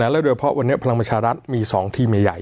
และโดยเพราะวันนี้พลังประชารัฐมี๒ทีมใหญ่